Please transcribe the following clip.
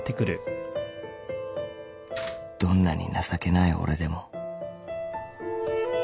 ［どんなに情けない俺でも］